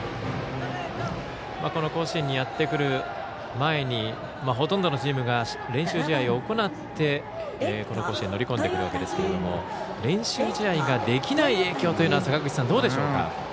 この甲子園にやってくる前にほとんどのチームが練習試合を行ってこの甲子園乗り込んでくるわけですが練習試合ができない影響というのはどうでしょうか。